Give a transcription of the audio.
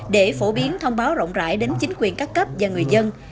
để phổ biến thông báo rộng rãi đến chính quyền các cấp và người dân